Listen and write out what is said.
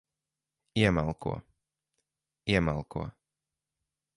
Iemalko. Iemalko.